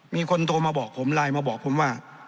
มีคนโทรมาบอกผมไลน์มาบอกผมว่า